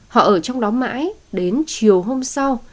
họ ở trong đó mãi đến chiều hôm sau